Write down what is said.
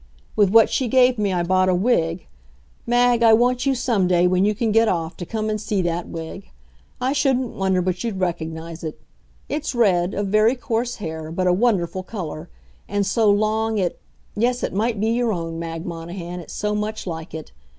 With what she gave me I bought a wig. Mag, I want you some day, when you can get off, to come and see that wig. I shouldn't wonder but you'd recognize it. It's red, of very coarse hair, but a wonderful color, and so long it yes, it might be your own, Mag Monahan, it's so much like it.